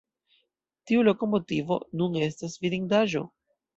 Tiu lokomotivo nun estas vidindaĵo.